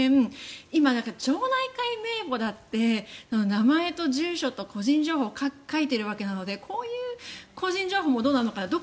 今、町内会名簿だって名前と住所と個人情報を書いているわけなのでこういう個人情報もどうなのかなと。